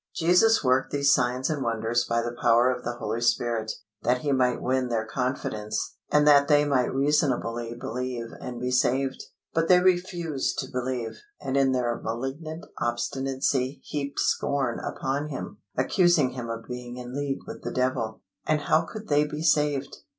Jesus worked these signs and wonders by the power of the Holy Spirit, that he might win their confidence, and that they might reasonably believe and be saved. But they refused to believe, and in their malignant obstinacy heaped scorn upon Him, accusing Him of being in league with the Devil; and how could they be saved?